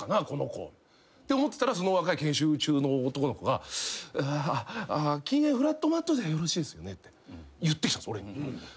この子って思ってたらその若い研修中の男の子があ禁煙フラットマットでよろしいですよね？って言ってきたんです俺に。